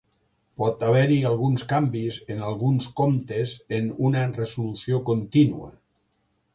Pot haver-hi alguns canvis en alguns comptes en una resolució contínua.